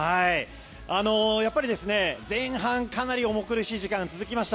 やっぱり前半かなり重苦しい時間が続きました。